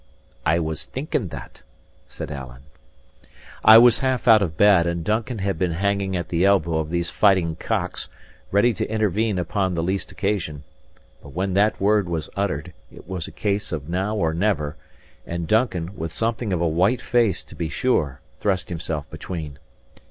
"I was thinking that," said Alan. I was half out of bed, and Duncan had been hanging at the elbow of these fighting cocks, ready to intervene upon the least occasion. But when that word was uttered, it was a case of now or never; and Duncan, with something of a white face to be sure, thrust himself between.